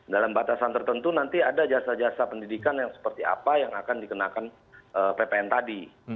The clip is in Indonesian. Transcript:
dalam batasan tertentu nanti ada jasa jasa pendidikan yang seperti apa yang akan dikenakan ppn tadi